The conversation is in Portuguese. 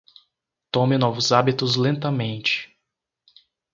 Tome novos hábitos lentamente.